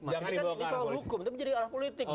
ini kan soal hukum tapi jadi arah politik